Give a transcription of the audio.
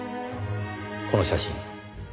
この写真。